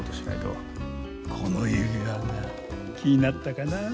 この指輪が気になったかな。